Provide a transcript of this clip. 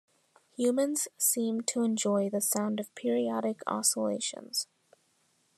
Humans seem to enjoy the sound of periodic oscillations.